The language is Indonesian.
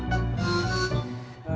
nah di sini umi